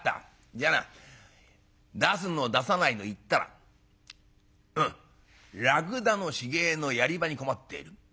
じゃあな出すの出さないの言ったらうん『らくだの死骸のやり場に困っている。